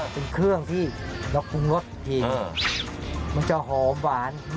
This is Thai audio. เป็นเครื่องที่เราปรุงรสทีมันจะหอมหวาน